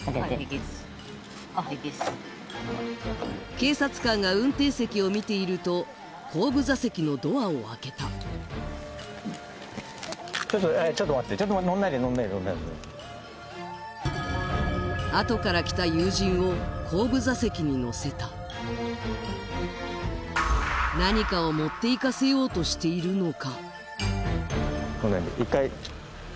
警察官が運転席を見ていると後部座席のドアを開けたあとから来た友人を後部座席に乗せた何かを持っていかせようとしているのか？